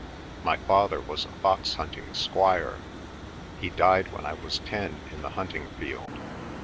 "My father was a fox hunting squire. He died when I was ten in the hunting field.